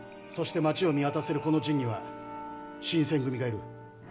そして町を見渡せるこの陣には新選組がいる。